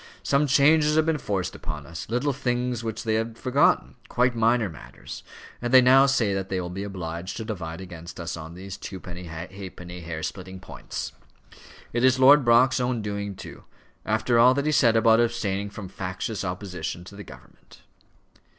Some changes have been forced upon us; little things which they had forgotten quite minor matters; and they now say that they will be obliged to divide against us on these twopenny halfpenny, hair splitting points. It is Lord Brock's own doing too, after all that he said about abstaining from factious opposition to the government."